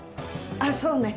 あっそうね。